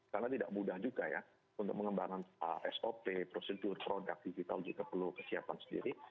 karena tidak mudah juga ya untuk mengembangkan sop prosedur produk digital juga perlu kesiapan sendiri